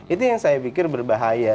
itu yang saya pikir berbahaya